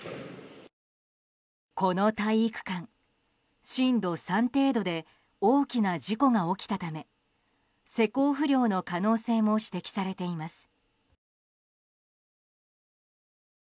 この体育館、震度３程度で大きな事故が起きたため施工不良の可能性も指摘されています。